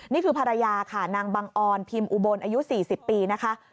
นี่คือภรรยาค่ะนางบังออนพิมพ์อุบลอายุ๔๐ปีนะคะ